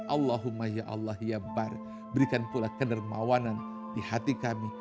allahumma ya allah ya bar berikan pula kedermawanan di hati kami